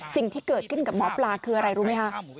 สิ่งที่เกิดขึ้นกับหมอปลาคืออะไรรู้ไหมคะ